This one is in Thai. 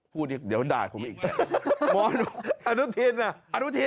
พูดเดี๋ยวได้ผมไม่อิ่งใจ